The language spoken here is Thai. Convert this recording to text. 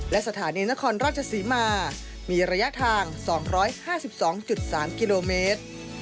และสถานีนครราชศรีมามีระยะทาง๒๕๒๓กิโลเมตร